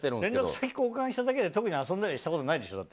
連絡先交換しただけで特に遊んだりしてないでしょ？